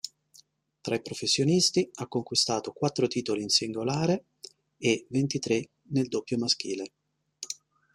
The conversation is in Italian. Tra i professionisti ha conquistato quattro titoli in singolare e ventitré nel doppio maschile.